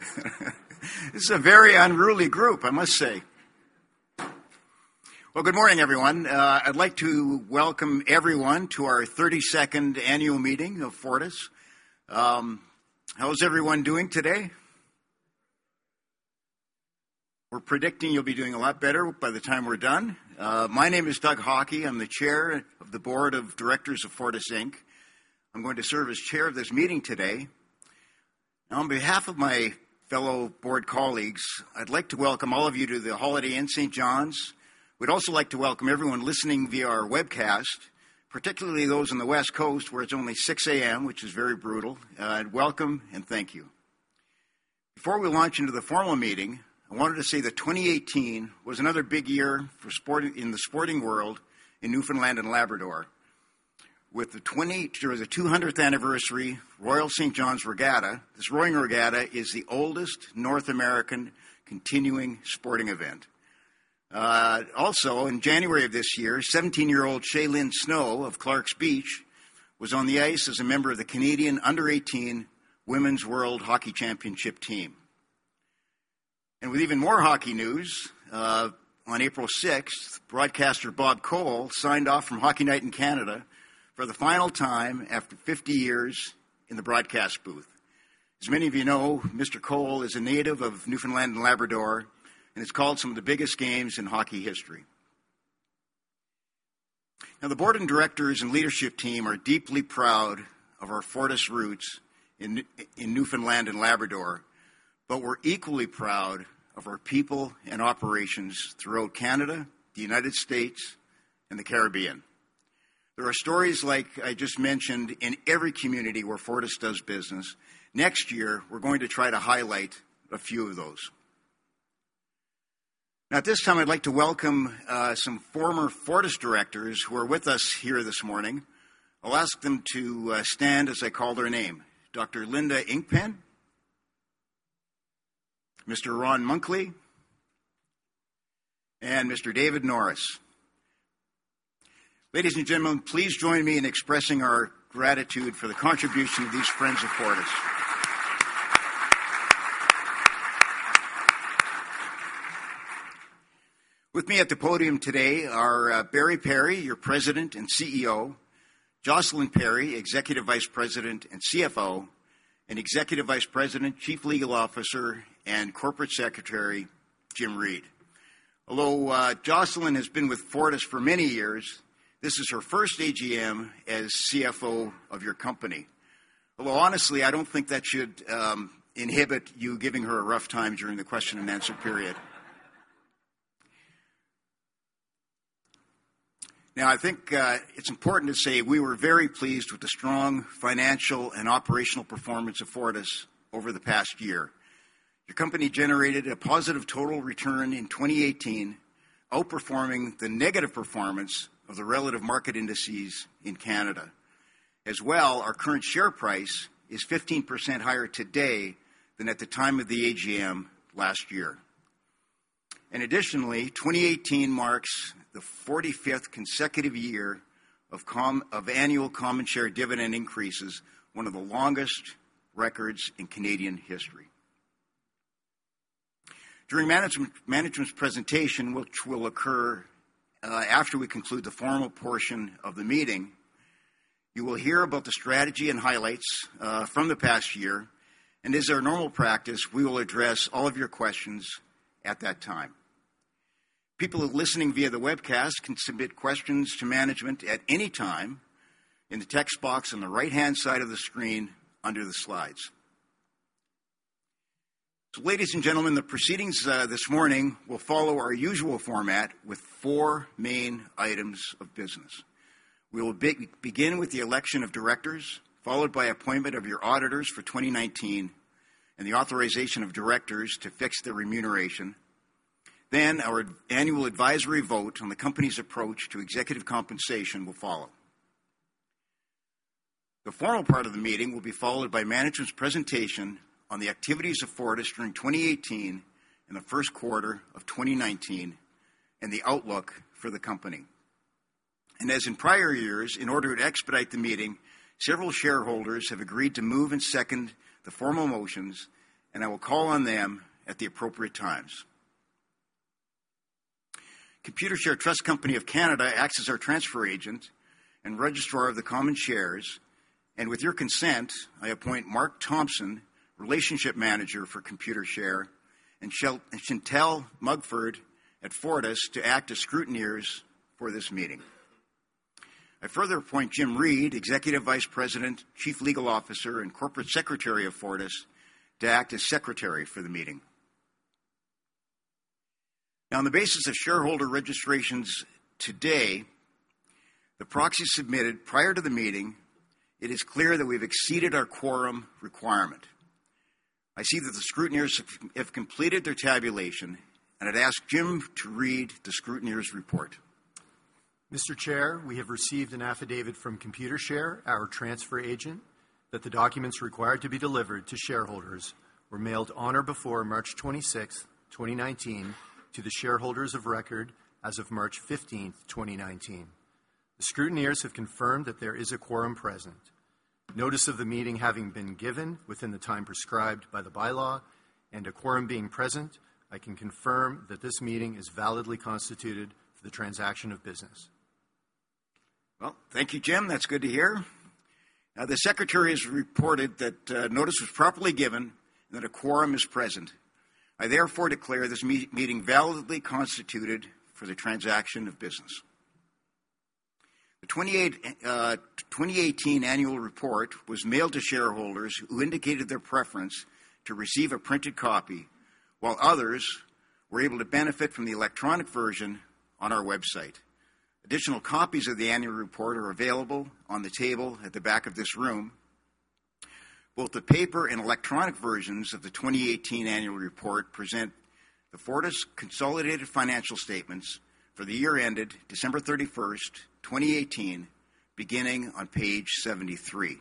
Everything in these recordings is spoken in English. Good morning. This is a very unruly group, I must say. Well, good morning, everyone. I'd like to welcome everyone to our 32nd annual meeting of Fortis. How is everyone doing today? We're predicting you'll be doing a lot better by the time we're done. My name is Doug Haughey. I'm the chair of the board of directors of Fortis Inc. I'm going to serve as chair of this meeting today. On behalf of my fellow board colleagues, I'd like to welcome all of you to the Holiday Inn St. John's. We'd also like to welcome everyone listening via our webcast, particularly those on the West Coast, where it's only 6:00 A.M., which is very brutal. Welcome and thank you. Before we launch into the formal meeting, I wanted to say that 2018 was another big year in the sporting world in Newfoundland and Labrador with the 200th anniversary Royal St. John's Regatta. This rowing regatta is the oldest North American continuing sporting event. In January of this year, 17-year-old Shailynn Snow of Clark's Beach was on the ice as a member of the Canadian under-18 Women's World Hockey Championship team. With even more hockey news, on April 6th, broadcaster Bob Cole signed off from Hockey Night in Canada for the final time after 50 years in the broadcast booth. As many of you know, Mr. Cole is a native of Newfoundland and Labrador and has called some of the biggest games in hockey history. The board of directors and leadership team are deeply proud of our Fortis roots in Newfoundland and Labrador, but we're equally proud of our people and operations throughout Canada, the U.S., and the Caribbean. There are stories like I just mentioned in every community where Fortis does business. Next year, we're going to try to highlight a few of those. At this time, I'd like to welcome some former Fortis directors who are with us here this morning. I'll ask them to stand as I call their name. Dr. Linda Inkpen, Mr. Ron Munkley, and Mr. David Norris. Ladies and gentlemen, please join me in expressing our gratitude for the contribution of these friends of Fortis. With me at the podium today are Barry Perry, your President and Chief Executive Officer, Jocelyn Perry, Executive Vice President and Chief Financial Officer, and Executive Vice President, Chief Legal Officer, and Corporate Secretary, Jim Reid. Although Jocelyn has been with Fortis for many years, this is her first AGM as Chief Financial Officer of your company. Although honestly, I don't think that should inhibit you giving her a rough time during the question and answer period. I think it's important to say we were very pleased with the strong financial and operational performance of Fortis over the past year. Your company generated a positive total return in 2018, outperforming the negative performance of the relative market indices in Canada. As well, our current share price is 15% higher today than at the time of the AGM last year. Additionally, 2018 marks the 45th consecutive year of annual common share dividend increases, one of the longest records in Canadian history. During management's presentation, which will occur after we conclude the formal portion of the meeting, you will hear about the strategy and highlights from the past year, and as our normal practice, we will address all of your questions at that time. People who are listening via the webcast can submit questions to management at any time in the text box on the right-hand side of the screen under the slides. Ladies and gentlemen, the proceedings this morning will follow our usual format with four main items of business. We will begin with the election of directors, followed by appointment of your auditors for 2019, and the authorization of directors to fix their remuneration. Our annual advisory vote on the company's approach to executive compensation will follow. The formal part of the meeting will be followed by management's presentation on the activities of Fortis during 2018 and the first quarter of 2019 and the outlook for the company. As in prior years, in order to expedite the meeting, several shareholders have agreed to move and second the formal motions, and I will call on them at the appropriate times. Computershare Trust Company of Canada acts as our transfer agent and registrar of the common shares. With your consent, I appoint Mark Thompson, relationship manager for Computershare, and Chantelle Mugford at Fortis to act as scrutineers for this meeting. I further appoint Jim Reid, Executive Vice President, Chief Legal Officer, and Corporate Secretary of Fortis, to act as secretary for the meeting. On the basis of shareholder registrations today, the proxies submitted prior to the meeting, it is clear that we've exceeded our quorum requirement. I see that the scrutineers have completed their tabulation, and I'd ask Jim to read the scrutineers report. Mr. Chair, we have received an affidavit from Computershare, our transfer agent, that the documents required to be delivered to shareholders were mailed on or before March 26th, 2019 to the shareholders of record as of March 15th, 2019. The scrutineers have confirmed that there is a quorum present. Notice of the meeting having been given within the time prescribed by the bylaw and a quorum being present, I can confirm that this meeting is validly constituted for the transaction of business. Well, thank you, Jim. That's good to hear. The secretary has reported that notice was properly given and that a quorum is present. I therefore declare this meeting validly constituted for the transaction of business. The 2018 annual report was mailed to shareholders who indicated their preference to receive a printed copy, while others were able to benefit from the electronic version on our website. Additional copies of the annual report are available on the table at the back of this room. Both the paper and electronic versions of the 2018 annual report present the Fortis consolidated financial statements for the year ended December 31st, 2018, beginning on page 73.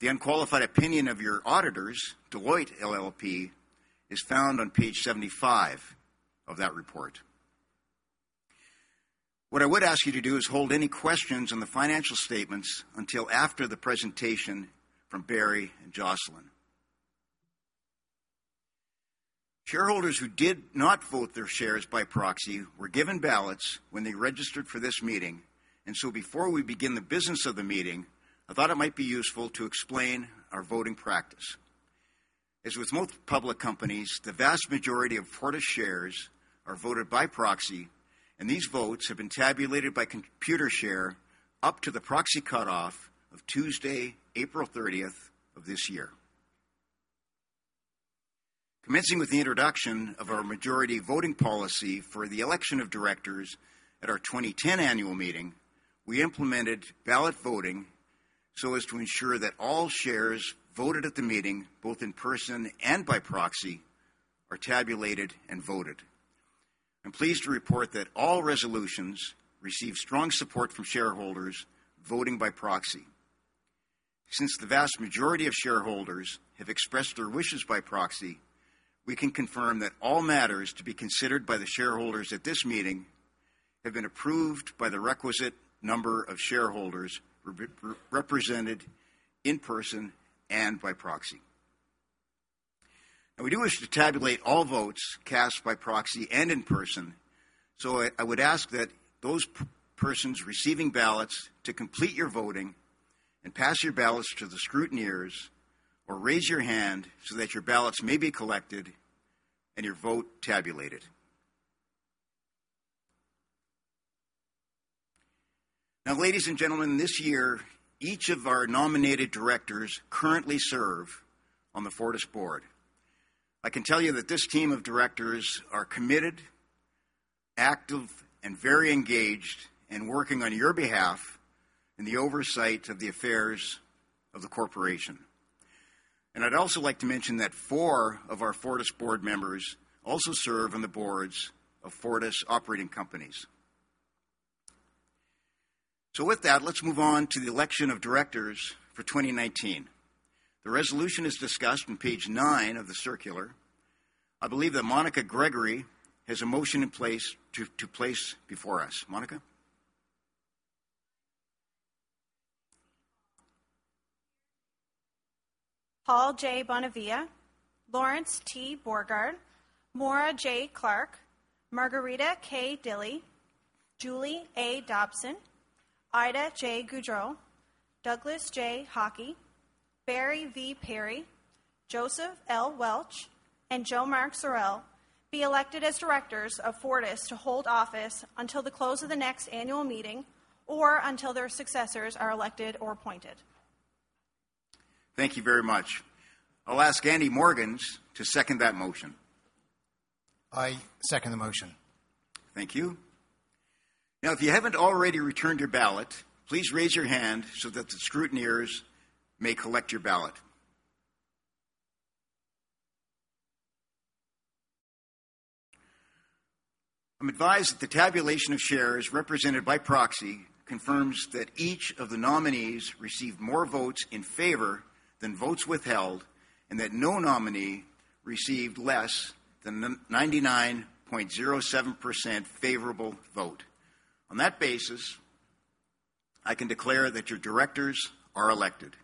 The unqualified opinion of your auditors, Deloitte LLP, is found on page 75 of that report. What I would ask you to do is hold any questions on the financial statements until after the presentation from Barry and Jocelyn. Shareholders who did not vote their shares by proxy were given ballots when they registered for this meeting. Before we begin the business of the meeting, I thought it might be useful to explain our voting practice. As with most public companies, the vast majority of Fortis shares are voted by proxy, and these votes have been tabulated by Computershare up to the proxy cutoff of Tuesday, April 30th of this year. Commencing with the introduction of our majority voting policy for the election of directors at our 2010 annual meeting, we implemented ballot voting so as to ensure that all shares voted at the meeting, both in person and by proxy, are tabulated and voted. I'm pleased to report that all resolutions received strong support from shareholders voting by proxy. Since the vast majority of shareholders have expressed their wishes by proxy, we can confirm that all matters to be considered by the shareholders at this meeting have been approved by the requisite number of shareholders represented in person and by proxy. We do wish to tabulate all votes cast by proxy and in person. I would ask that those persons receiving ballots to complete your voting and pass your ballots to the scrutineers or raise your hand so that your ballots may be collected and your vote tabulated. Ladies and gentlemen, this year, each of our nominated directors currently serve on the Fortis board. I can tell you that this team of directors are committed, active, and very engaged in working on your behalf in the oversight of the affairs of the corporation. I’d also like to mention that four of our Fortis board members also serve on the boards of Fortis operating companies. With that, let’s move on to the election of directors for 2019. The resolution is discussed on page nine of the circular. I believe that Monica Gregory has a motion to place before us. Monica? Paul J. Bonavia, Lawrence T. Borgard, Maura J. Clark, Margarita K. Dilley, Julie A. Dobson, Ida J. Goodreau, Douglas J. Haughey, Barry V. Perry, Joseph L. Welch, and Jo Mark Zurel be elected as directors of Fortis to hold office until the close of the next annual meeting or until their successors are elected or appointed. Thank you very much. I’ll ask Andy Morgans to second that motion. I second the motion. Thank you. If you haven't already returned your ballot, please raise your hand so that the scrutineers may collect your ballot. I'm advised that the tabulation of shares represented by proxy confirms that each of the nominees received more votes in favor than votes withheld, and that no nominee received less than 99.07% favorable vote. On that basis, I can declare that your directors are elected.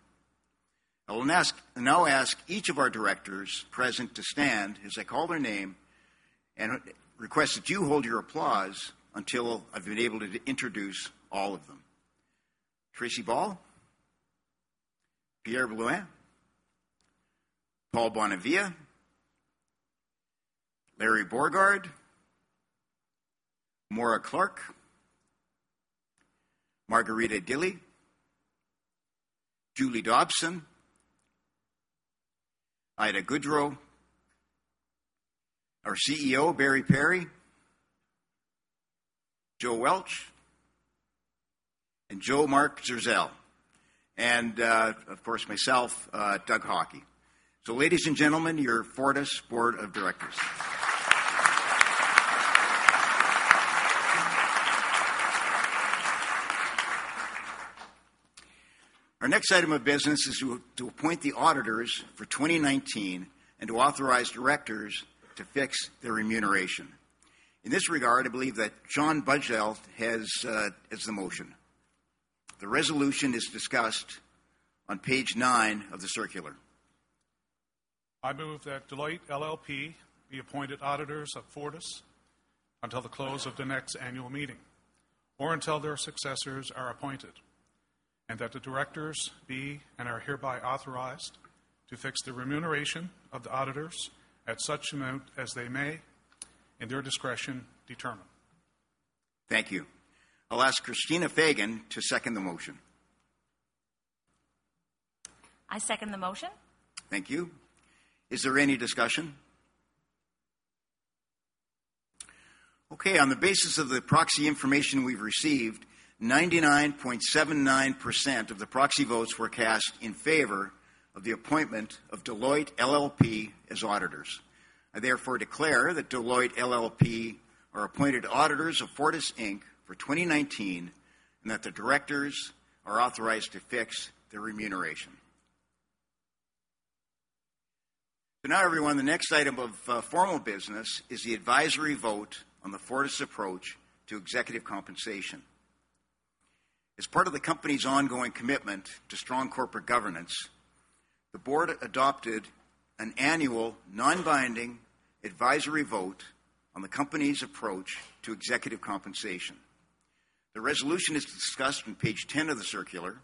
I will now ask each of our directors present to stand as I call their name and request that you hold your applause until I've been able to introduce all of them. Tracey Ball, Pierre Blouin, Paul Bonavia, Larry Borgard, Maura Clark, Margarita Dilley, Julie Dobson, Ida Goodreau, our CEO, Barry Perry, Joe Welch, and Jo Mark Zurel. Of course, myself, Doug Haughey. Ladies and gentlemen, your Fortis board of directors. Our next item of business is to appoint the auditors for 2019 and to authorize directors to fix their remuneration. In this regard, I believe that John Budgell has the motion. The resolution is discussed on page nine of the circular. I move that Deloitte LLP be appointed auditors of Fortis until the close of the next annual meeting or until their successors are appointed, and that the directors be and are hereby authorized to fix the remuneration of the auditors at such amount as they may, in their discretion, determine. Thank you. I'll ask Christina Fagan to second the motion. I second the motion. Thank you. Is there any discussion? On the basis of the proxy information we've received, 99.79% of the proxy votes were cast in favor of the appointment of Deloitte LLP as auditors. I therefore declare that Deloitte LLP are appointed auditors of Fortis Inc. for 2019 and that the directors are authorized to fix their remuneration. Everyone, the next item of formal business is the advisory vote on the Fortis approach to executive compensation. As part of the company's ongoing commitment to strong corporate governance, the board adopted an annual non-binding advisory vote on the company's approach to executive compensation. The resolution is discussed on page 10 of the circular.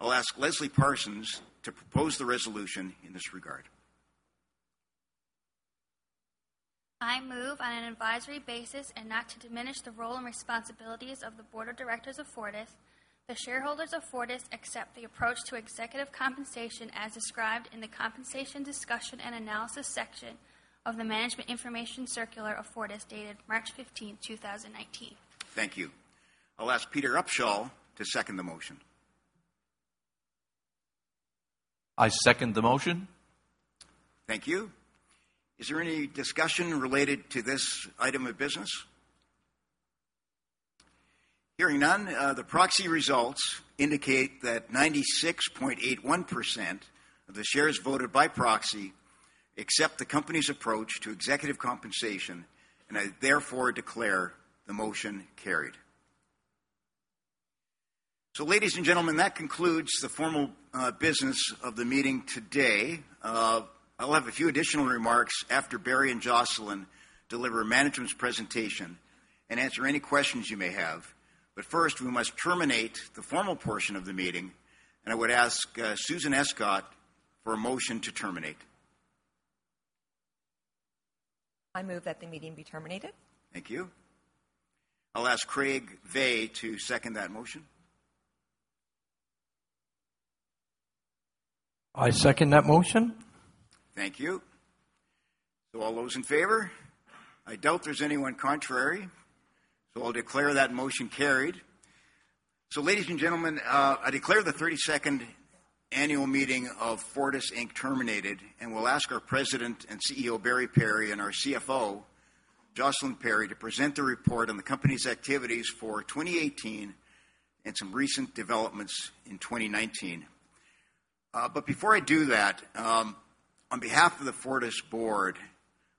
I'll ask Lesley Parsons to propose the resolution in this regard. I move on an advisory basis and not to diminish the role and responsibilities of the board of directors of Fortis, the shareholders of Fortis accept the approach to executive compensation as described in the compensation discussion and analysis section of the management information circular of Fortis dated March 15th, 2019. Thank you. I'll ask Peter Upshall to second the motion. I second the motion. Thank you. Is there any discussion related to this item of business? Hearing none, the proxy results indicate that 96.81% of the shares voted by proxy accept the company's approach to executive compensation, and I therefore declare the motion carried. Ladies and gentlemen, that concludes the formal business of the meeting today. I'll have a few additional remarks after Barry and Jocelyn deliver management's presentation and answer any questions you may have. First, we must terminate the formal portion of the meeting, and I would ask Susan Escott for a motion to terminate. I move that the meeting be terminated. Thank you. I'll ask Craig Vey to second that motion. I second that motion. Thank you. All those in favor? I doubt there's anyone contrary, I'll declare that motion carried. Ladies and gentlemen, I declare the 32nd annual meeting of Fortis Inc. terminated, and will ask our President and CEO, Barry Perry, and our CFO, Jocelyn Perry, to present the report on the company's activities for 2018 and some recent developments in 2019. Before I do that, on behalf of the Fortis board,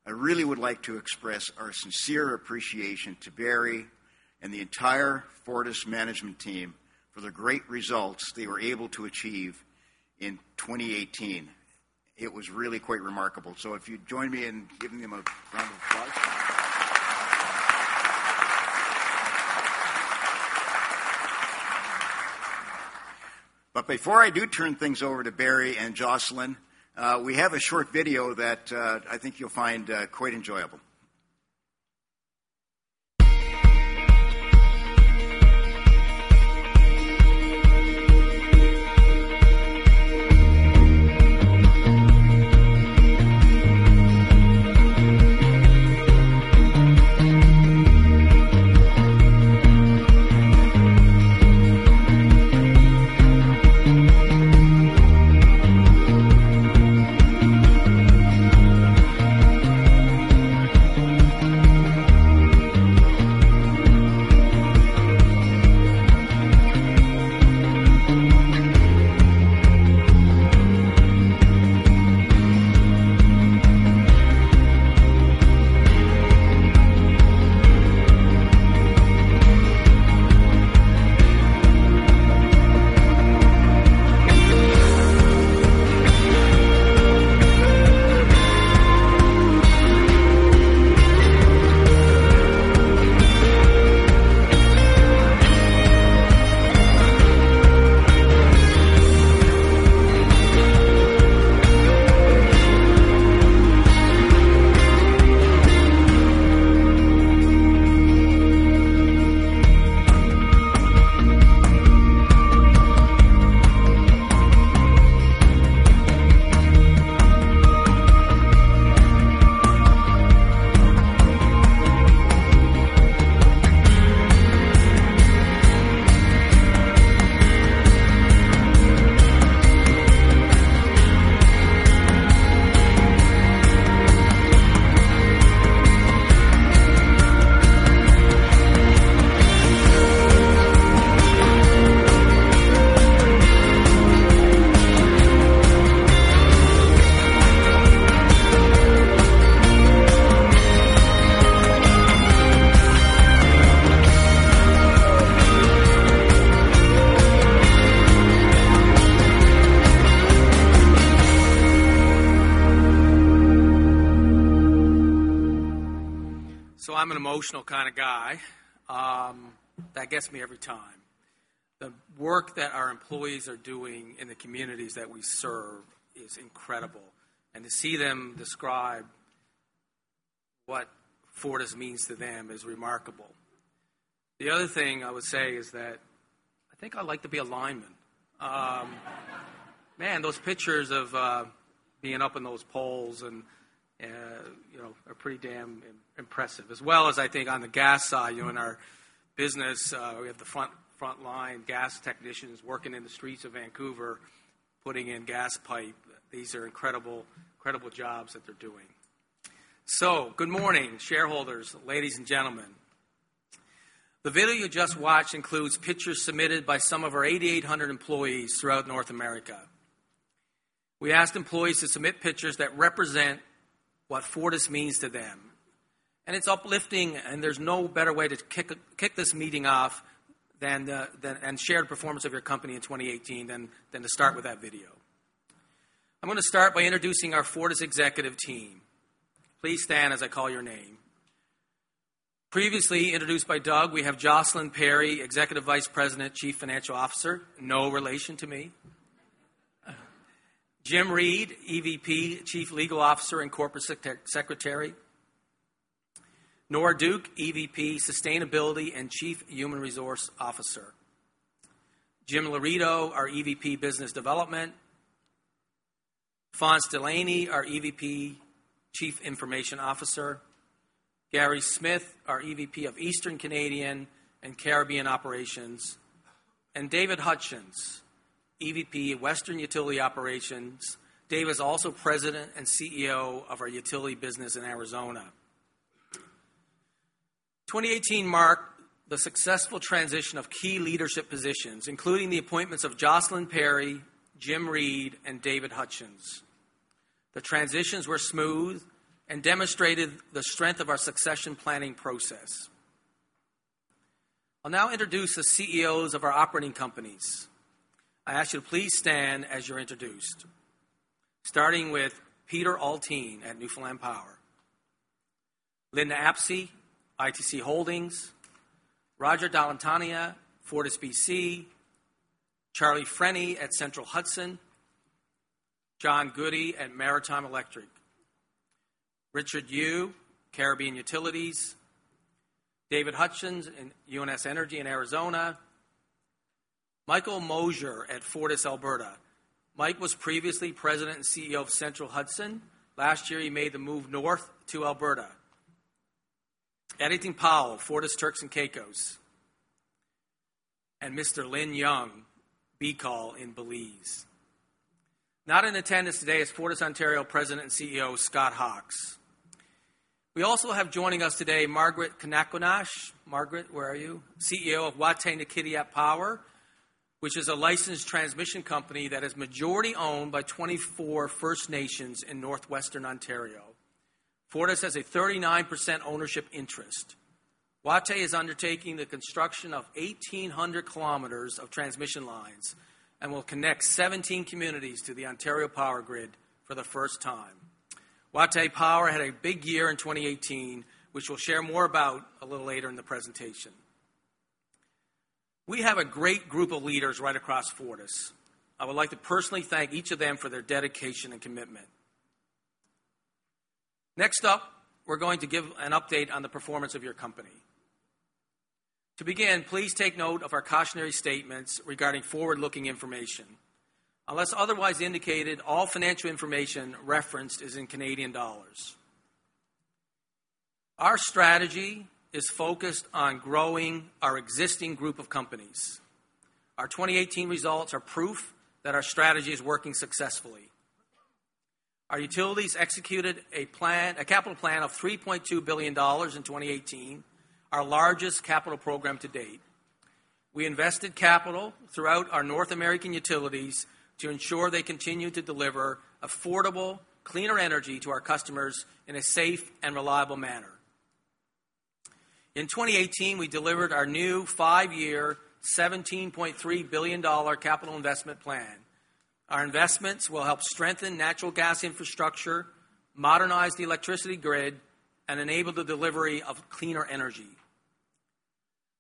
I really would like to express our sincere appreciation to Barry and the entire Fortis management team for the great results they were able to achieve in 2018. It was really quite remarkable. If you'd join me in giving them a round of applause. Before I do turn things over to Barry and Jocelyn, we have a short video that I think you'll find quite enjoyable. I'm an emotional kind of guy. That gets me every time. The work that our employees are doing in the communities that we serve is incredible. To see them describe what Fortis means to them is remarkable. The other thing I would say is that I think I'd like to be a lineman. Man, those pictures of being up in those poles are pretty damn impressive. As well as I think on the gas side, in our business, we have the front line gas technicians working in the streets of Vancouver putting in gas pipe. These are incredible jobs that they're doing. Good morning, shareholders, ladies and gentlemen. The video you just watched includes pictures submitted by some of our 8,800 employees throughout North America. We asked employees to submit pictures that represent what Fortis means to them, it's uplifting, and there's no better way to kick this meeting off and share the performance of your company in 2018 than to start with that video. I'm going to start by introducing our Fortis executive team. Please stand as I call your name. Previously introduced by Doug, we have Jocelyn Perry, Executive Vice President, Chief Financial Officer, no relation to me. Jim Reid, EVP, Chief Legal Officer, and Corporate Secretary. Nora Duke, EVP, Sustainability and Chief Human Resource Officer. Jim Laurito, our EVP, Business Development. Phonse Delaney, our EVP, Chief Information Officer. Gary Smith, our EVP, Eastern Canadian and Caribbean Operations. David Hutchens, EVP, Western Utility Operations. Dave is also President and CEO of our utility business in Arizona. 2018 marked the successful transition of key leadership positions, including the appointments of Jocelyn Perry, Jim Reid, and David Hutchens. The transitions were smooth and demonstrated the strength of our succession planning process. I'll now introduce the CEOs of our operating companies. I ask you to please stand as you're introduced. Starting with Peter Alteen at Newfoundland Power. Linda Apsey, ITC Holdings. Roger Dall'Antonia, FortisBC. Charlie Freni at Central Hudson. John Gaudet at Maritime Electric. Richard Hew, Caribbean Utilities. David Hutchens in UNS Energy in Arizona. Michael Mosher at FortisAlberta. Mike was previously president and CEO of Central Hudson. Last year he made the move north to Alberta. Eddinton Powell, FortisTCI. Mr. Lynn Young, BECOL in Belize. Not in attendance today is FortisOntario President and CEO Scott Hawkes. We also have joining us today Margaret Kenequanash. Margaret, where are you? CEO of Wataynikaneyap Power, which is a licensed transmission company that is majority owned by 24 First Nations in northwestern Ontario. Fortis has a 39% ownership interest. Wataynikaneyap is undertaking the construction of 1,800 kilometers of transmission lines and will connect 17 communities to the Ontario power grid for the first time. Wataynikaneyap Power had a big year in 2018, which we'll share more about a little later in the presentation. We have a great group of leaders right across Fortis. I would like to personally thank each of them for their dedication and commitment. Next up, we're going to give an update on the performance of your company. To begin, please take note of our cautionary statements regarding forward-looking information. Unless otherwise indicated, all financial information referenced is in Canadian dollars. Our strategy is focused on growing our existing group of companies. Our 2018 results are proof that our strategy is working successfully. Our utilities executed a capital plan of 3.2 billion dollars in 2018, our largest capital program to date. We invested capital throughout our North American utilities to ensure they continue to deliver affordable, cleaner energy to our customers in a safe and reliable manner. In 2018, we delivered our new five-year 17.3 billion dollar capital investment plan. Our investments will help strengthen natural gas infrastructure, modernize the electricity grid, and enable the delivery of cleaner energy.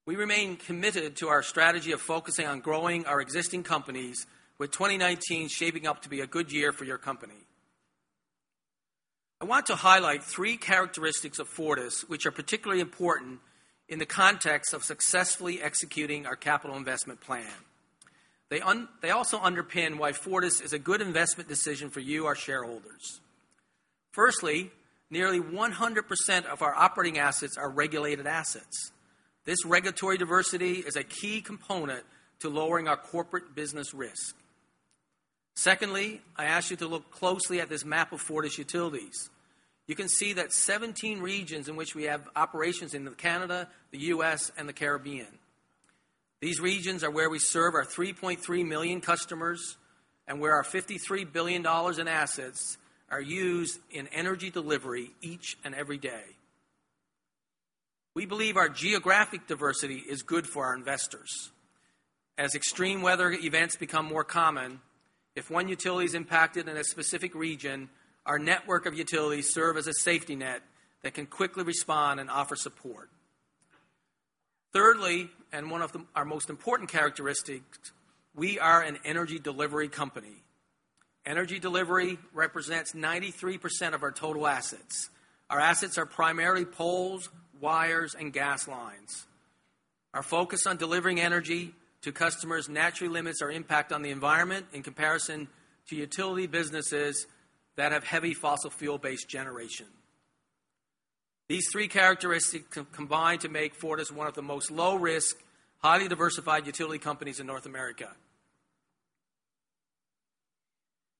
We remain committed to our strategy of focusing on growing our existing companies, with 2019 shaping up to be a good year for your company. I want to highlight three characteristics of Fortis which are particularly important in the context of successfully executing our capital investment plan. They also underpin why Fortis is a good investment decision for you, our shareholders. Firstly, nearly 100% of our operating assets are regulated assets. This regulatory diversity is a key component to lowering our corporate business risk. Secondly, I ask you to look closely at this map of Fortis Utilities. You can see that 17 regions in which we have operations in Canada, the U.S., and the Caribbean. These regions are where we serve our 3.3 million customers and where our 53 billion dollars in assets are used in energy delivery each and every day. We believe our geographic diversity is good for our investors. As extreme weather events become more common, if one utility is impacted in a specific region, our network of utilities serve as a safety net that can quickly respond and offer support. Thirdly, and one of our most important characteristics, we are an energy delivery company. Energy delivery represents 93% of our total assets. Our assets are primarily poles, wires, and gas lines. Our focus on delivering energy to customers naturally limits our impact on the environment in comparison to utility businesses that have heavy fossil fuel-based generation. These three characteristics combine to make Fortis one of the most low-risk, highly diversified utility companies in North America.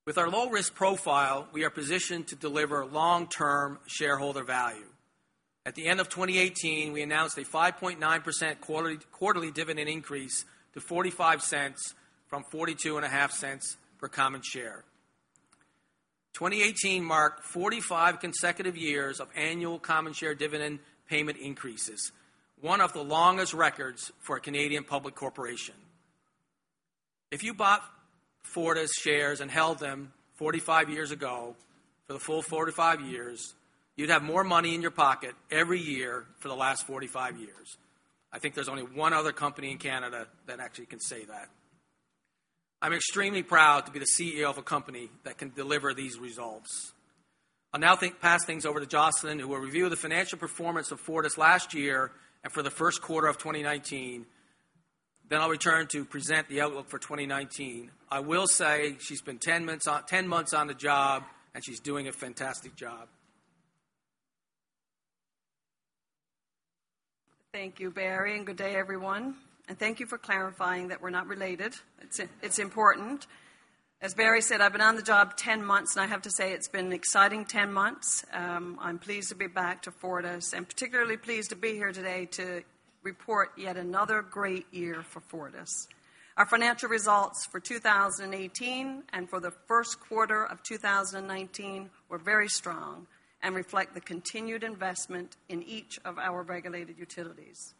With our low-risk profile, we are positioned to deliver long-term shareholder value. At the end of 2018, we announced a 5.9% quarterly dividend increase to 0.45 from 0.425 per common share. 2018 marked 45 consecutive years of annual common share dividend payment increases, one of the longest records for a Canadian public corporation. If you bought Fortis shares and held them 45 years ago for the full 45 years, you'd have more money in your pocket every year for the last 45 years. I think there's only one other company in Canada that actually can say that. I'm extremely proud to be the CEO of a company that can deliver these results. I'll now pass things over to Jocelyn, who will review the financial performance of Fortis last year and for the first quarter of 2019. I'll return to present the outlook for 2019. I will say she's been 10 months on the job, and she's doing a fantastic job. Thank you, Barry, and good day, everyone, and thank you for clarifying that we're not related. It's important. As Barry said, I've been on the job 10 months, and I have to say it's been an exciting 10 months. I'm pleased to be back to Fortis and particularly pleased to be here today to report yet another great year for Fortis. Our financial results for 2018 and for the first quarter of 2019 were very strong and reflect the continued investment in each of our regulated utilities.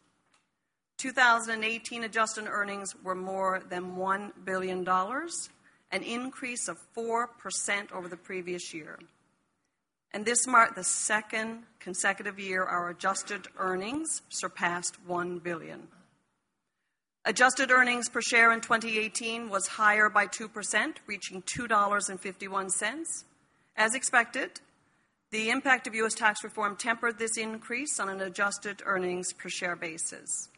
2018 adjusted earnings were more than 1 billion dollars, an increase of 4% over the previous year, and this marked the second consecutive year our adjusted earnings surpassed 1 billion. Adjusted earnings per share in 2018 was higher by 2%, reaching 2.51 dollars. As expected, the impact of U.S. tax reform tempered this increase on an adjusted earnings per share basis.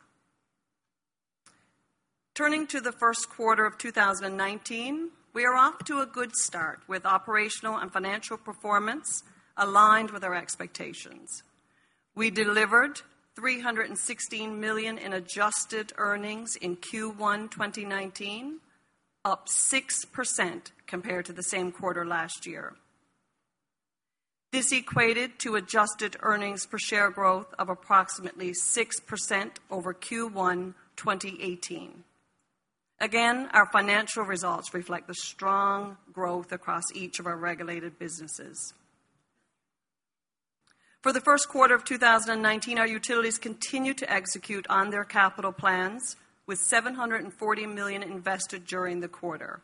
Turning to the first quarter of 2019, we are off to a good start with operational and financial performance aligned with our expectations. We delivered 316 million in adjusted earnings in Q1 2019, up 6% compared to the same quarter last year. This equated to adjusted earnings per share growth of approximately 6% over Q1 2018. Again, our financial results reflect the strong growth across each of our regulated businesses. For the first quarter of 2019, our utilities continued to execute on their capital plans with 740 million invested during the quarter.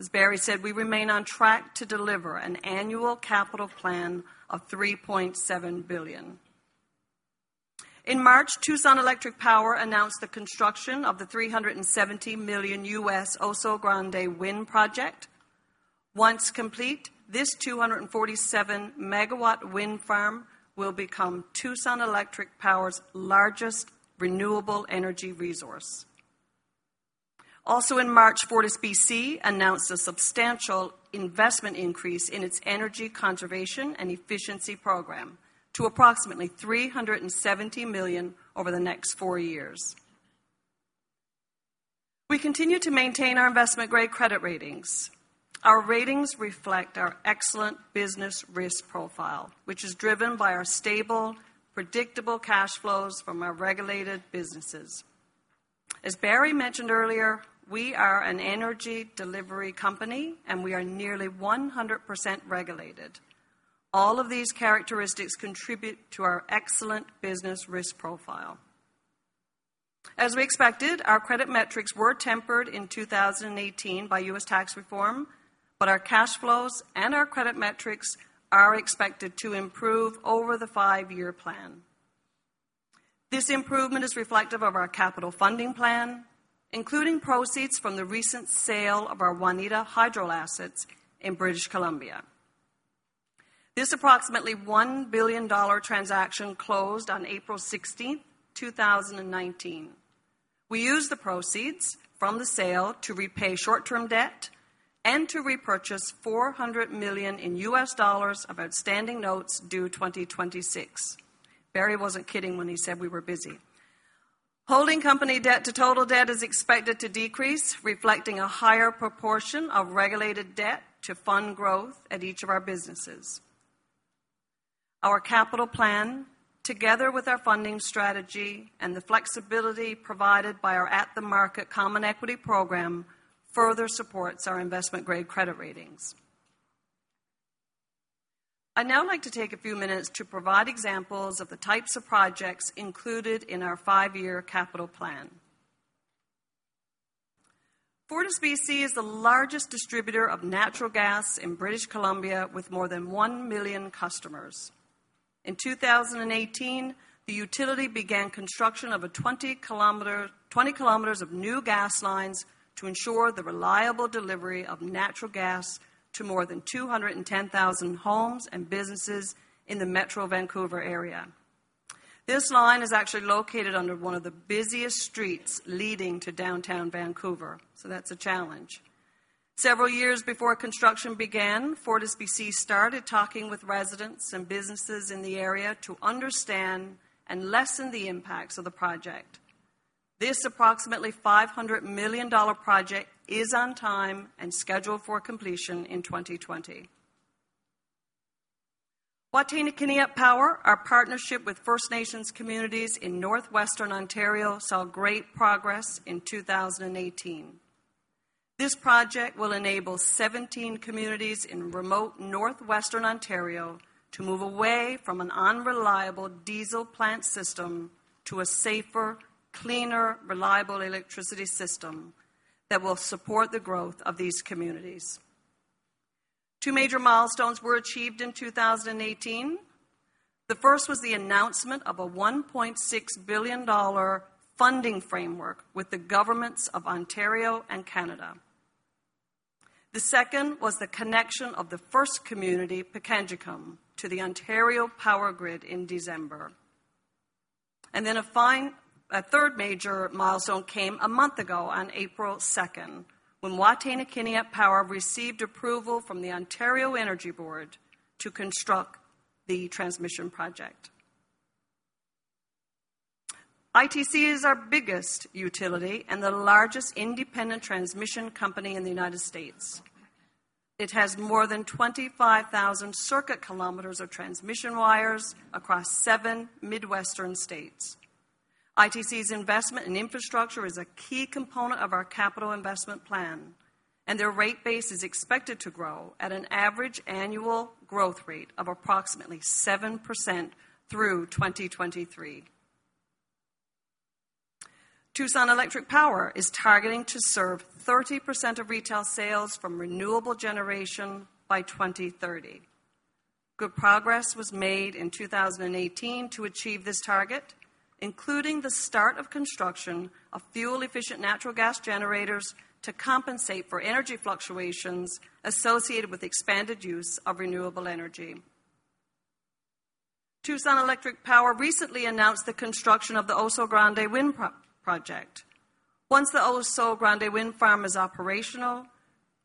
As Barry said, we remain on track to deliver an annual capital plan of 3.7 billion. In March, Tucson Electric Power announced the construction of the $370 million Oso Grande wind project. Once complete, this 247-megawatt wind farm will become Tucson Electric Power's largest renewable energy resource. Also in March, FortisBC announced a substantial investment increase in its energy conservation and efficiency program to approximately 370 million over the next four years. We continue to maintain our investment-grade credit ratings. Our ratings reflect our excellent business risk profile, which is driven by our stable, predictable cash flows from our regulated businesses. As Barry mentioned earlier, we are an energy delivery company. We are nearly 100% regulated. All of these characteristics contribute to our excellent business risk profile. As we expected, our credit metrics were tempered in 2018 by U.S. Tax Reform, but our cash flows and our credit metrics are expected to improve over the five-year plan. This improvement is reflective of our capital funding plan, including proceeds from the recent sale of our Waneta Expansion assets in British Columbia. This approximately 1 billion dollar transaction closed on April 16th, 2019. We used the proceeds from the sale to repay short-term debt and to repurchase $400 million of outstanding notes due 2026. Barry wasn't kidding when he said we were busy. Holding company debt to total debt is expected to decrease, reflecting a higher proportion of regulated debt to fund growth at each of our businesses. Our capital plan, together with our funding strategy and the flexibility provided by our at-the-market common equity program, further supports our investment-grade credit ratings. I'd now like to take a few minutes to provide examples of the types of projects included in our five-year capital plan. FortisBC is the largest distributor of natural gas in British Columbia, with more than 1 million customers. In 2018, the utility began construction of 20 km of new gas lines to ensure the reliable delivery of natural gas to more than 210,000 homes and businesses in the Metro Vancouver area. This line is actually located under one of the busiest streets leading to downtown Vancouver. That's a challenge. Several years before construction began, FortisBC started talking with residents and businesses in the area to understand and lessen the impacts of the project. This approximately 500 million dollar project is on time and scheduled for completion in 2020. Wataynikaneyap Power, our partnership with First Nations communities in northwestern Ontario, saw great progress in 2018. This project will enable 17 communities in remote northwestern Ontario to move away from an unreliable diesel plant system to a safer, cleaner, reliable electricity system that will support the growth of these communities. Two major milestones were achieved in 2018. The first was the announcement of a 1.6 billion dollar funding framework with the governments of Ontario and Canada. The second was the connection of the first community, Pikangikum, to the Ontario power grid in December. A third major milestone came a month ago on April 2nd, when Wataynikaneyap Power received approval from the Ontario Energy Board to construct the transmission project. ITC is our biggest utility and the largest independent transmission company in the U.S. It has more than 25,000 circuit km of transmission wires across seven Midwestern states. ITC's investment in infrastructure is a key component of our capital investment plan. Their rate base is expected to grow at an average annual growth rate of approximately 7% through 2023. Tucson Electric Power is targeting to serve 30% of retail sales from renewable generation by 2030. Good progress was made in 2018 to achieve this target, including the start of construction of fuel-efficient natural gas generators to compensate for energy fluctuations associated with expanded use of renewable energy. Tucson Electric Power recently announced the construction of the Oso Grande Wind Project. Once the Oso Grande Wind Farm is operational,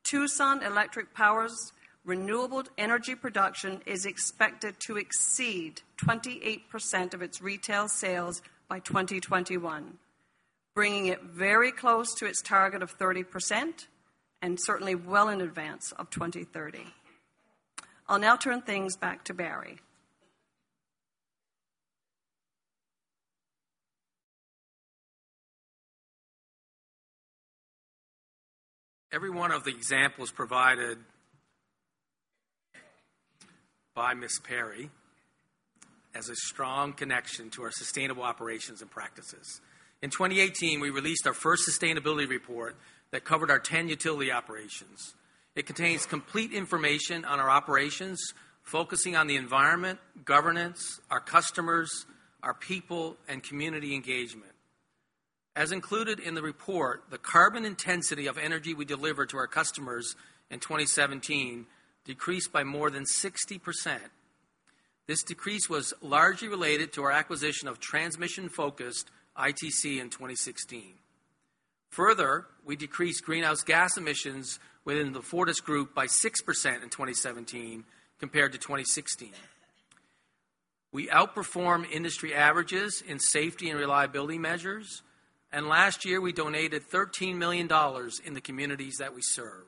Tucson Electric Power's renewable energy production is expected to exceed 28% of its retail sales by 2021, bringing it very close to its target of 30% and certainly well in advance of 2030. I'll now turn things back to Barry. Every one of the examples provided by Ms. Perry has a strong connection to our sustainable operations and practices. In 2018, we released our first sustainability report that covered our 10 utility operations. It contains complete information on our operations, focusing on the environment, governance, our customers, our people, and community engagement. As included in the report, the carbon intensity of energy we delivered to our customers in 2017 decreased by more than 60%. This decrease was largely related to our acquisition of transmission-focused ITC in 2016. We decreased greenhouse gas emissions within the Fortis group by 6% in 2017 compared to 2016. Last year, we donated 13 million dollars in the communities that we serve.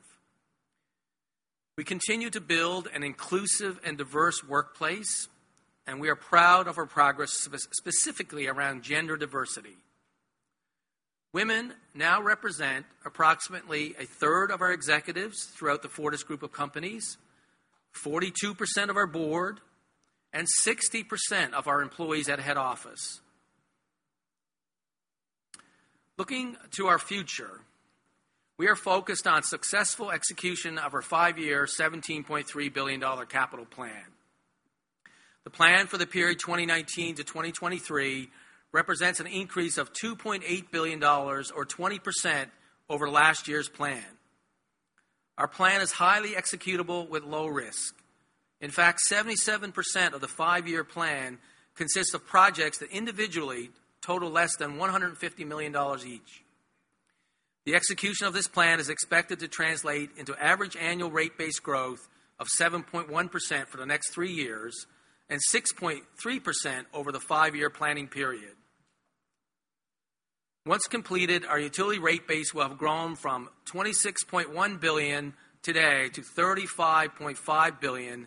We continue to build an inclusive and diverse workplace, we are proud of our progress specifically around gender diversity. Women now represent approximately a third of our executives throughout the Fortis group of companies, 42% of our board, and 60% of our employees at head office. Looking to our future, we are focused on successful execution of our five-year 17.3 billion dollar capital plan. The plan for the period 2019 to 2023 represents an increase of 2.8 billion dollars or 20% over last year's plan. Our plan is highly executable with low risk. In fact, 77% of the five-year plan consists of projects that individually total less than 150 million dollars each. The execution of this plan is expected to translate into average annual rate base growth of 7.1% for the next three years, and 6.3% over the five-year planning period. Once completed, our utility rate base will have grown from 26.1 billion today to 35.5 billion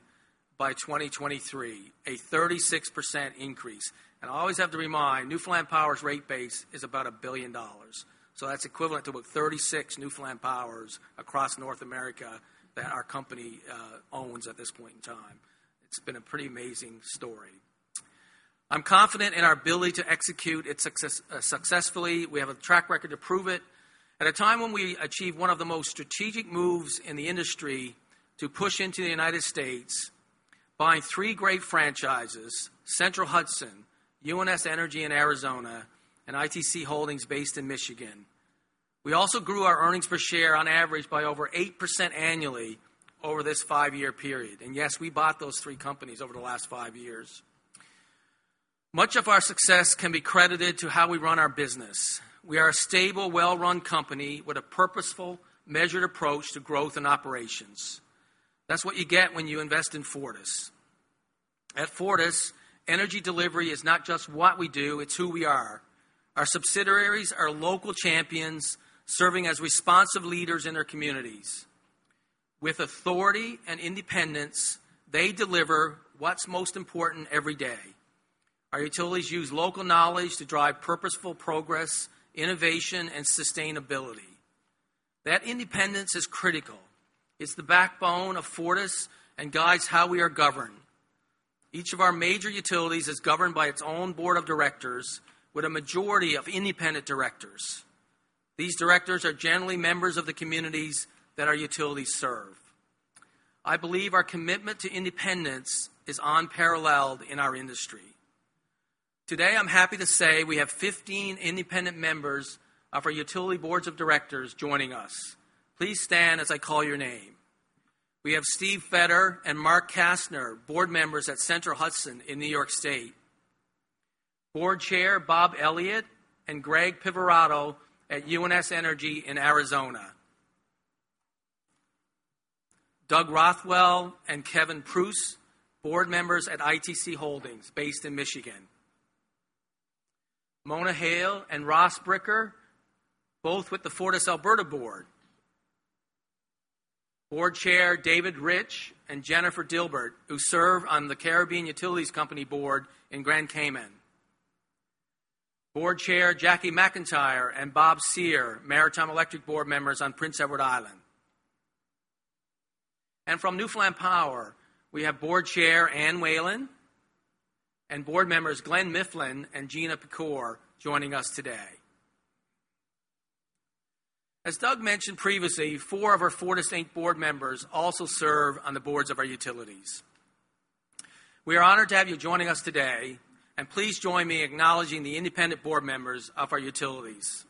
by 2023, a 36% increase. I always have to remind, Newfoundland Power's rate base is about 1 billion dollars. That's equivalent to about 36 Newfoundland Powers across North America that our company owns at this point in time. It's been a pretty amazing story. I'm confident in our ability to execute it successfully. We have a track record to prove it. At a time when we achieved one of the most strategic moves in the industry to push into the United States, buying three great franchises, Central Hudson, UNS Energy in Arizona, and ITC Holdings based in Michigan. We also grew our earnings per share on average by over 8% annually over this five-year period. Yes, we bought those three companies over the last five years. Much of our success can be credited to how we run our business. We are a stable, well-run company with a purposeful, measured approach to growth and operations. That's what you get when you invest in Fortis. At Fortis, energy delivery is not just what we do, it's who we are. Our subsidiaries are local champions, serving as responsive leaders in their communities. With authority and independence, they deliver what's most important every day. Our utilities use local knowledge to drive purposeful progress, innovation, and sustainability. That independence is critical. It's the backbone of Fortis and guides how we are governed. Each of our major utilities is governed by its own board of directors with a majority of independent directors. These directors are generally members of the communities that our utilities serve. I believe our commitment to independence is unparalleled in our industry. Today, I'm happy to say we have 15 independent members of our utility boards of directors joining us. Please stand as I call your name. We have Steven Fetter and Mark Kastner, board members at Central Hudson in New York State. Board Chair Bob Elliott and Greg Pivirotto at UNS Energy in Arizona. Doug Rothwell and Kevin Prust, board members at ITC Holdings based in Michigan. Mona Hale and Ross Bricker, both with the FortisAlberta Board. Board Chair David Ritch and Jennifer Dilbert, who serve on the Caribbean Utilities Company board in Grand Cayman. Board Chair Jackie McIntyre and Bob Sear, Maritime Electric board members on Prince Edward Island. From Newfoundland Power, we have Board Chair Anne Whelan and board members Glenn Mifflin and Gina Pecore joining us today. As Doug mentioned previously, four of our Fortis Inc. board members also serve on the boards of our utilities. We are honored to have you joining us today. Please join me in acknowledging the independent board members of our utilities.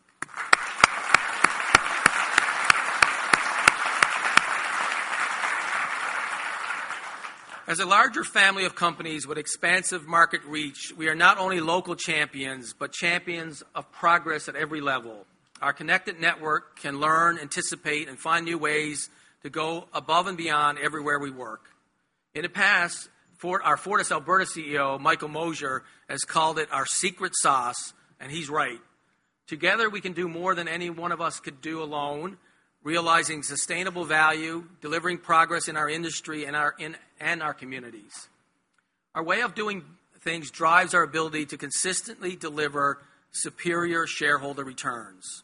As a larger family of companies with expansive market reach, we are not only local champions, but champions of progress at every level. Our connected network can learn, anticipate, and find new ways to go above and beyond everywhere we work. In the past, our FortisAlberta CEO, Michael Mosher, has called it our secret sauce, and he's right. Together, we can do more than any one of us could do alone, realizing sustainable value, delivering progress in our industry, and our communities. Our way of doing things drives our ability to consistently deliver superior shareholder returns.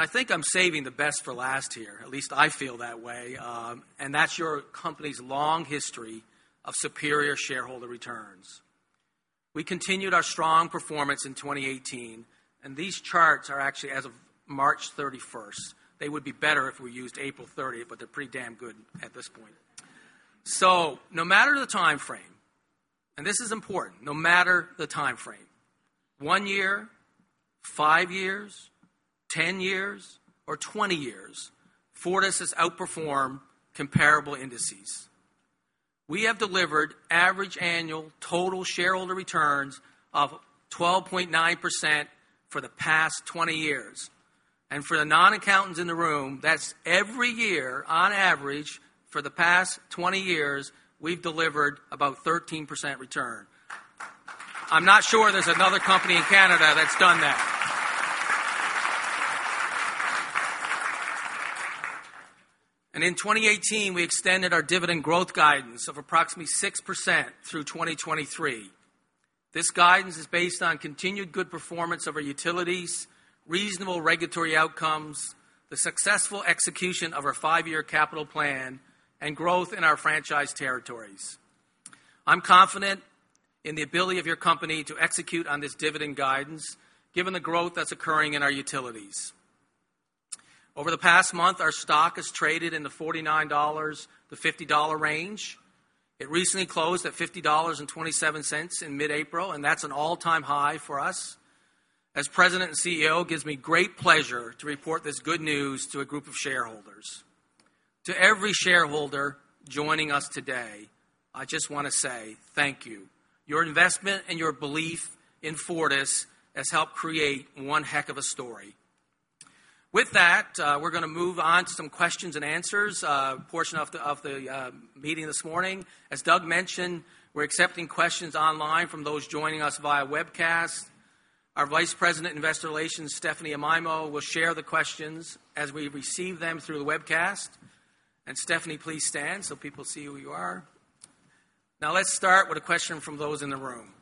I think I'm saving the best for last here. At least I feel that way. That's your company's long history of superior shareholder returns. We continued our strong performance in 2018. These charts are actually as of March 31st. They would be better if we used April 30th, they're pretty damn good at this point. No matter the timeframe, this is important, no matter the timeframe, one year, five years, 10 years, or 20 years, Fortis has outperformed comparable indices. We have delivered average annual total shareholder returns of 12.9% for the past 20 years. For the non-accountants in the room, that's every year, on average, for the past 20 years, we've delivered about 13% return. I'm not sure there's another company in Canada that's done that. In 2018, we extended our dividend growth guidance of approximately 6% through 2023. This guidance is based on continued good performance of our utilities, reasonable regulatory outcomes, the successful execution of our five-year capital plan, and growth in our franchise territories. I'm confident in the ability of your company to execute on this dividend guidance, given the growth that's occurring in our utilities. Over the past month, our stock has traded in the 49 dollars, the 50 dollar range. It recently closed at 50.27 dollars in mid-April, and that's an all-time high for us. As president and CEO, it gives me great pleasure to report this good news to a group of shareholders. To every shareholder joining us today, I just want to say thank you. Your investment and your belief in Fortis has helped create one heck of a story. We're going to move on to some questions and answers portion of the meeting this morning. As Doug mentioned, we're accepting questions online from those joining us via webcast. Our Vice President Investor Relations, Stephanie Amaimo, will share the questions as we receive them through the webcast. Stephanie, please stand so people see who you are. Let's start with a question from those in the room.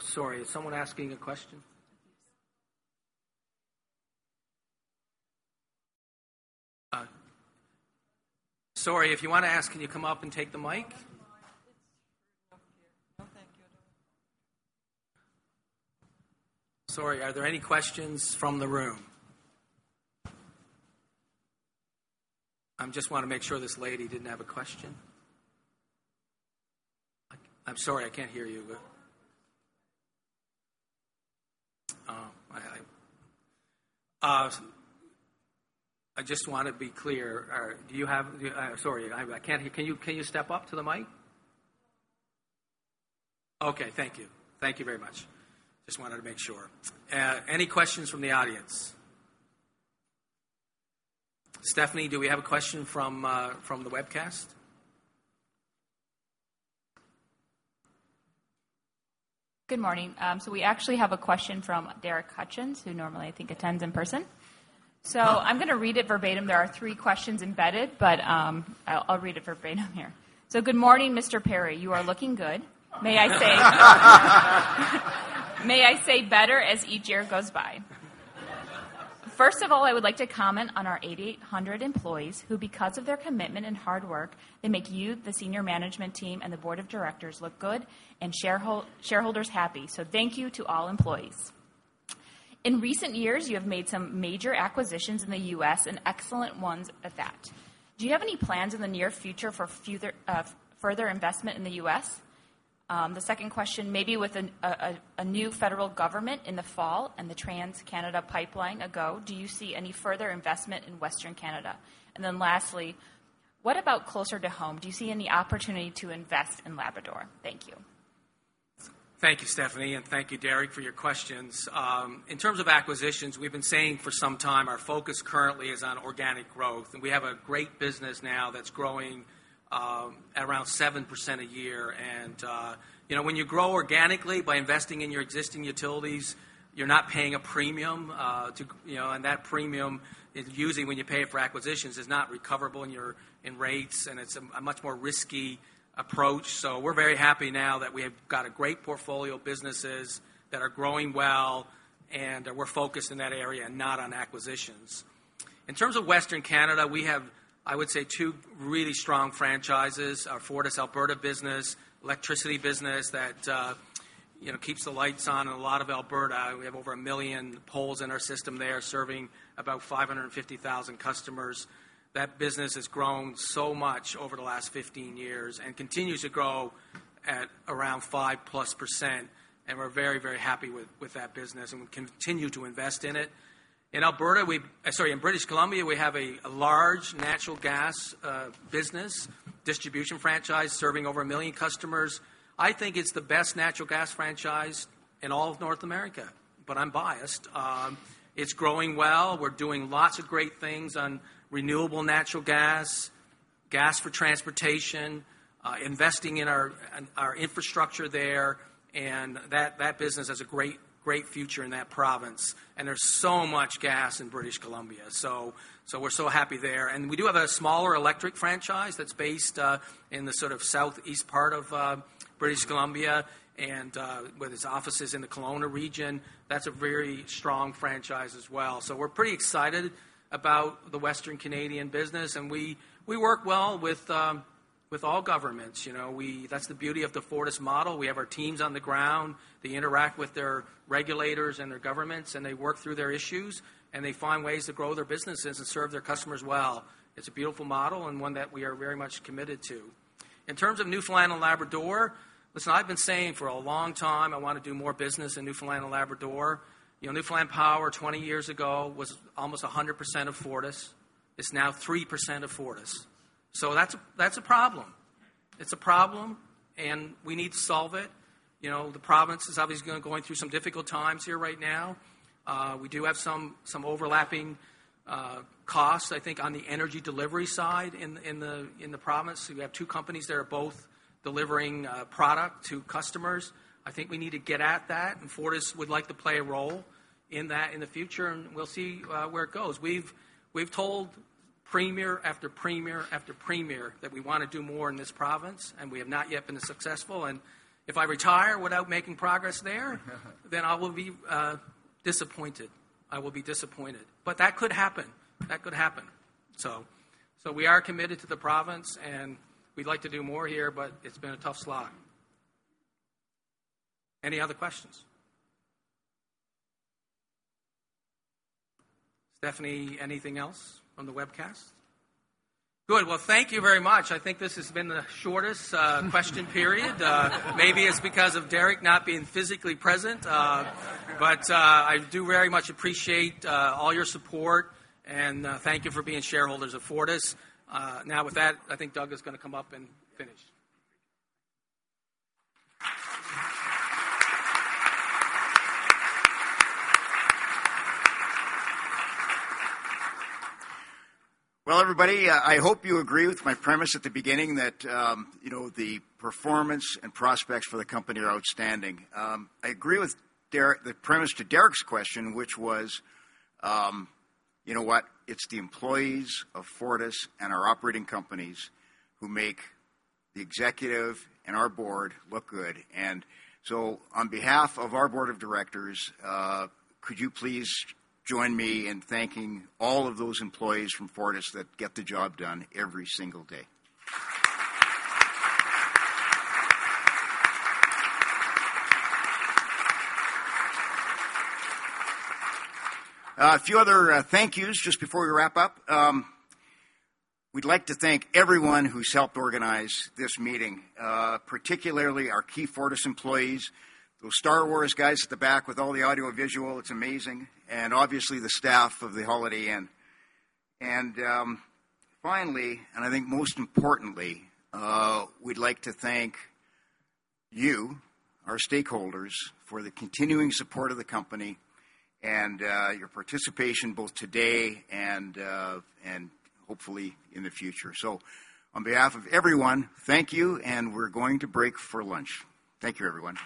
Is someone asking a question? If you want to ask, can you come up and take the mic? No, thank you. Are there any questions from the room? I just want to make sure this lady didn't have a question. I'm sorry, I can't hear you, but I just want to be clear. Can you step up to the mic? Thank you. Thank you very much. Just wanted to make sure. Any questions from the audience? Stephanie, do we have a question from the webcast? Good morning. We actually have a question from Derek Hutchins, who normally I think attends in person. I'm going to read it verbatim. There are three questions embedded, but I'll read it verbatim here. Good morning, Mr. Perry. You are looking good. May I say better as each year goes by. First of all, I would like to comment on our 8,800 employees, who because of their commitment and hard work, they make you, the senior management team, and the board of directors look good and shareholders happy. Thank you to all employees. In recent years, you have made some major acquisitions in the U.S. and excellent ones at that. Do you have any plans in the near future for further investment in the U.S.? The second question, maybe with a new federal government in the fall and the Trans Mountain pipeline a go, do you see any further investment in Western Canada? Lastly, what about closer to home? Do you see any opportunity to invest in Labrador? Thank you. Thank you, Stephanie, and thank you, Derek, for your questions. In terms of acquisitions, we've been saying for some time our focus currently is on organic growth, and we have a great business now that's growing at around 7% a year. When you grow organically by investing in your existing utilities, you're not paying a premium. That premium is usually when you pay it for acquisitions is not recoverable in rates, and it's a much more risky approach. We're very happy now that we have got a great portfolio of businesses that are growing well, and we're focused in that area and not on acquisitions. In terms of Western Canada, we have, I would say, two really strong franchises, our FortisAlberta business, electricity business that keeps the lights on in a lot of Alberta. We have over 1 million poles in our system there serving about 550,000 customers. That business has grown so much over the last 15 years and continues to grow at around 5 plus percent. We're very, very happy with that business and we continue to invest in it. In British Columbia, we have a large natural gas business distribution franchise serving over 1 million customers. I think it's the best renewable natural gas franchise in all of North America, but I'm biased. It's growing well. We're doing lots of great things on renewable natural gas for transportation, investing in our infrastructure there, and that business has a great future in that province. There's so much gas in British Columbia, we're so happy there. We do have a smaller electric franchise that's based in the southeast part of British Columbia, and with its offices in the Kelowna region. That's a very strong franchise as well. We're pretty excited about the Western Canadian business, and we work well with all governments. That's the beauty of the Fortis model. We have our teams on the ground. They interact with their regulators and their governments, and they work through their issues, and they find ways to grow their businesses and serve their customers well. It's a beautiful model and one that we are very much committed to. In terms of Newfoundland and Labrador, listen, I've been saying for a long time I want to do more business in Newfoundland and Labrador. Newfoundland Power, 20 years ago, was almost 100% of Fortis. It's now 3% of Fortis. That's a problem. It's a problem, and we need to solve it. The province is obviously going through some difficult times here right now. We do have some overlapping costs, I think, on the energy delivery side in the province. You have two companies that are both delivering product to customers. I think we need to get at that, and Fortis would like to play a role in that in the future, and we'll see where it goes. We've told premier after premier that we want to do more in this province, and we have not yet been successful. If I retire without making progress, then I will be disappointed. I will be disappointed. That could happen. We are committed to the province, and we'd like to do more here, but it's been a tough slog. Any other questions? Stephanie, anything else from the webcast? Good. Well, thank you very much. I think this has been the shortest question period. Maybe it's because of Derek not being physically present. I do very much appreciate all your support, and thank you for being shareholders of Fortis. Now with that, I think Doug is going to come up and finish. Well, everybody, I hope you agree with my premise at the beginning that the performance and prospects for the company are outstanding. I agree with the premise to Derek's question, which was, you know what? It's the employees of Fortis and our operating companies who make the executive and our board look good. On behalf of our board of directors, could you please join me in thanking all of those employees from Fortis that get the job done every single day? A few other thank yous just before we wrap up. We'd like to thank everyone who's helped organize this meeting, particularly our key Fortis employees, those Star Wars guys at the back with all the audiovisual, it's amazing, and obviously the staff of the Holiday Inn. Finally, and I think most importantly, we'd like to thank you, our stakeholders, for the continuing support of the company and your participation both today and hopefully in the future. On behalf of everyone, thank you, and we're going to break for lunch. Thank you, everyone.